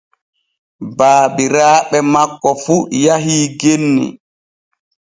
Baabiraaɓe makko fu yahii genni.